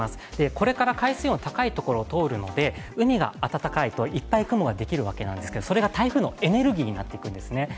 これから海水温高いところを通るので、海が暖かいといっぱい雲ができるわけなんですけど、それが台風のエネルギーになっていくんですね。